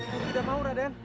aku tidak mau raden